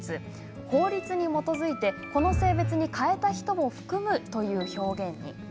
法律にもとづいて、この性別に変えた人もふくむ」という表現に。